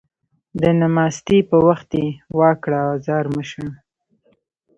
د نماستي په وخت يې وا کړه ازار مه شه